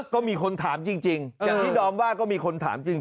ก็มีคนถามจริงอย่างที่ดอมว่าก็มีคนถามจริง